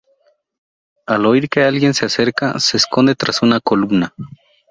Al oír que alguien se acerca, se esconde tras una columna.